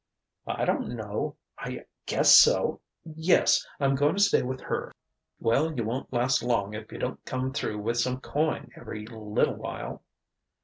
"I don't know I guess so yes: I'm going to stay with her." "Well, you won't last long if you don't come through with some coin every little while."